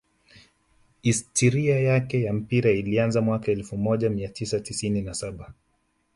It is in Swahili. Histiria yake ya mpira ilianza mwaka elfu moja mia tisa tisini na saba